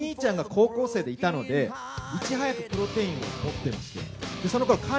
同級生の子がお兄ちゃんが高校生でいたので、いち早くプロテインを持ってまして。